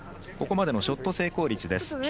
ここまでのショット成功率です。